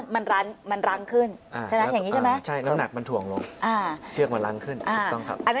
เพราะมันรังขึ้นใช่น้ำหนักมันถ่วงลงกับเชือกมันรังขึ้น